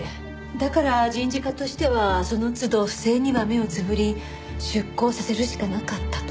だから人事課としてはその都度不正には目をつぶり出向させるしかなかったと。